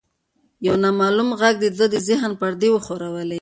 یو نامعلومه غږ د ده د ذهن پردې وښورولې.